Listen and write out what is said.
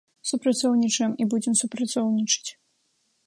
Супрацоўнічаем і будзем супрацоўнічаць.